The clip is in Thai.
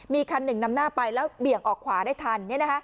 มีคันหนึ่งนำหน้าไปแล้วเบี่ยงออกขวาได้ทัน